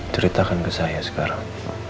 ceritakan ke saya sekarang